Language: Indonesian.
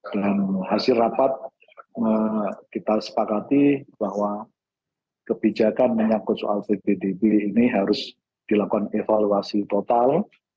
dan hasil rapat kita sepakati bahwa kebijakan menyakut soal ppdb ini harus dilakukan evaluasi total